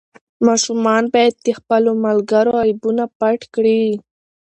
ماشومان باید د خپلو ملګرو عیبونه پټ کړي.